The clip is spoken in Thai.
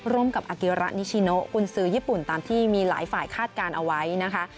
ร่วมกับอาเกียระนิชิโนกุญสือญี่ปุ่นตามที่มีหลายฝ่ายคาดการณ์เอาไว้นะคะ